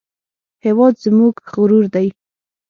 هېواد زموږ غرور دی